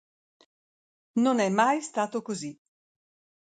Non è mai stato così.